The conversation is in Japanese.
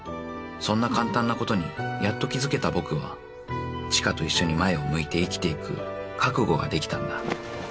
［そんな簡単なことにやっと気付けた僕は知花と一緒に前を向いて生きていく覚悟ができたんだ］